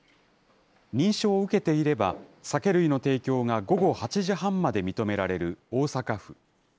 認証を受けていれば、酒類の提供が午後８時半まで認められる大阪府。